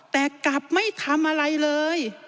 แต่กลับไม่ทำอะไรเลย